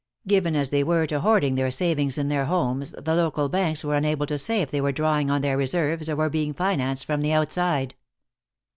Given as they were to hoarding their savings in their homes, the local banks were unable to say if they were drawing on their reserves or were being financed from the outside.